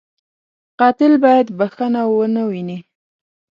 قاتل باید بښنه و نهويني